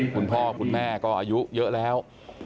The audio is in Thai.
คุณพ่อคุณแม่ก็อายุเยอะแล้ว